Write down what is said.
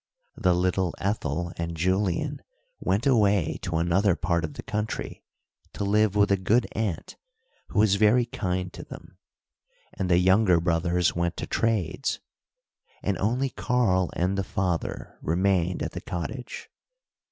The little Ethel and Julian went away to another part of the country, to live with a good aunt, who was very kind to them, and the younger brothers went to trades, and only Karl and the father remained at the cottage.